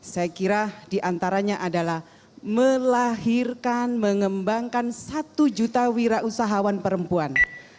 saya kira diantaranya adalah melahirkan mengembangkan satu juta wira usahawan perempuan